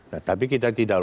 nah tapi kita tidak